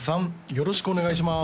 よろしくお願いします